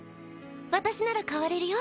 私なら代われるよ。